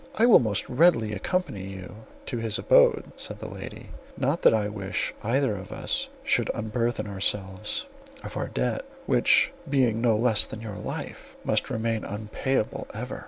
"I will most readily accompany you to his abode," said the lady, "not that I wish that either of us should unburthen ourselves of our debt, which, being no less than your life, must remain unpayable ever.